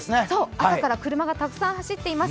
朝から車がたくさん走っています。